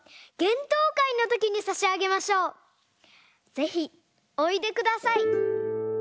ぜひおいでください。